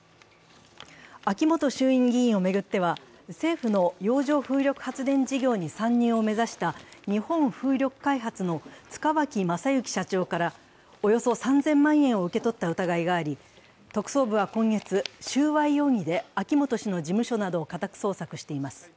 秋本衆院議員を巡っては政府の洋上風力発電事業に参入を目指した日本風力開発の塚脇正幸社長からおよそ３０００万円を受け取った疑いがあり、特捜部は今月、収賄容疑で秋本氏の事務所などを家宅捜索しています。